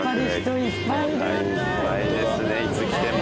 いっぱいですねいつ来ても。